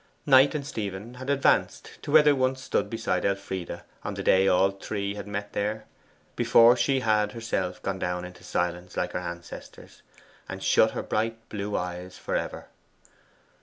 Knight and Stephen had advanced to where they once stood beside Elfride on the day all three had met there, before she had herself gone down into silence like her ancestors, and shut her bright blue eyes for ever.